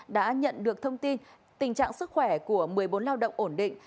đã nhận được thông tin tình trạng sức khỏe của một mươi bốn lao động ổn định